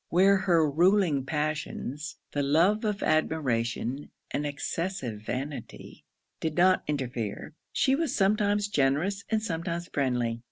Where her ruling passions, (the love of admiration and excessive vanity) did not interfere, she was sometimes generous and sometimes friendly.